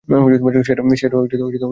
সে এটা ঠিক করে ফেলেছে।